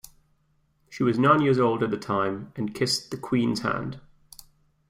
She was nine years old at the time and kissed the Queen's hand.